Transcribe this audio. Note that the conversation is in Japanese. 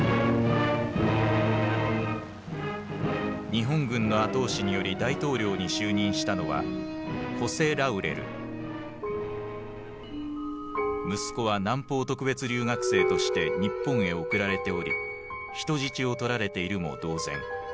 日本軍の後押しにより大統領に就任したのは息子は南方特別留学生として日本へ送られており人質を取られているも同然。